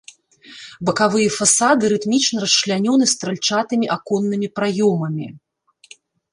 Бакавыя фасады рытмічна расчлянёны стральчатымі аконнымі праёмамі.